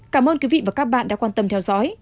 cảm ơn quý vị và các bạn đã quan tâm theo dõi